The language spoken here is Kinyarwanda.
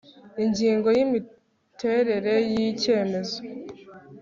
ingingo ya imiterere y' icyemezo